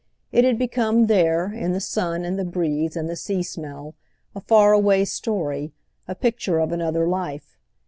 It had become there, in the sun and the breeze and the sea smell, a far away story, a picture of another life.